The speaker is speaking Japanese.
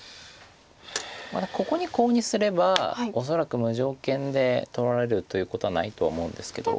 ここにコウにすれば恐らく無条件で取られるということはないと思うんですけど。